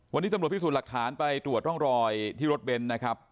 วันนี้ตำรวจพิสูจน์หลักฐานไปตรวจร่องรอยที่รถเบนท์นะครับ